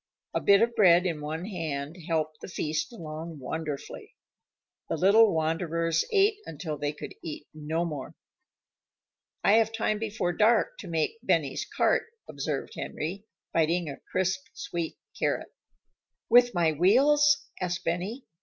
A bit of bread in one hand helped the feast along wonderfully. The little wanderers ate until they could eat no more. "I have time before dark to make Benny's cart," observed Henry, biting a crisp, sweet carrot. "With my wheels?" asked Benny.